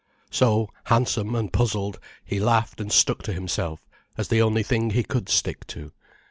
So, handsome and puzzled, he laughed and stuck to himself as the only thing he could stick to.